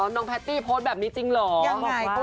อ๋อน้องแพตตี้โพสแบบนี้จริงเหรอ